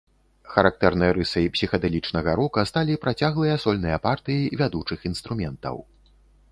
Характэрнай рысай псіхадэлічнага рока сталі працяглыя сольныя партыі вядучых інструментаў.